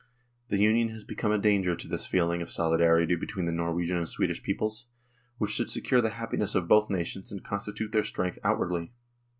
The Union has become a danger to this feeling of solidarity between the Norwegian and Swedish peoples, which should secure the happi ness of both nations and constitute their strength outwardly.